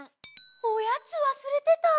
おやつわすれてた。